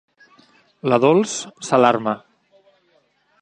La Dols s'alarma.